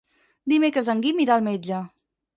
Dimecres en Guim irà al metge.